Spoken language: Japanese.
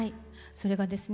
それがですね